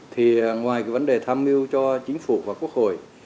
thì ngoài cái vấn đề tham mưu cho chính phủ và quốc hội